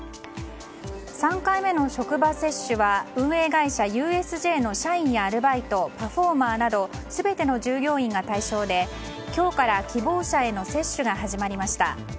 ３回目の職場接種は運営会社ユー・エス・ジェイの社員やアルバイトパフォーマーなど全ての従業員が対象で今日から希望者への接種が始まりました。